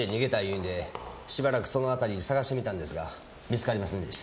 言うんでしばらくその辺り探してみたんですが見つかりませんでした。